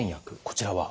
こちらは？